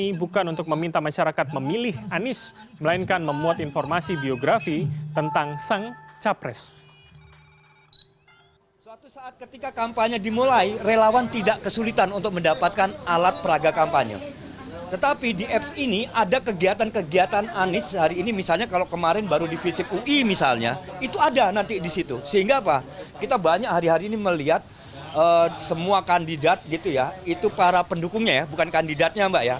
ini bukan untuk meminta masyarakat memilih anis melainkan memuat informasi biografi tentang sang capres